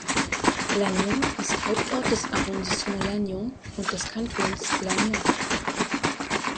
Lannion ist Hauptort des Arrondissement Lannion und des Kantons Lannion.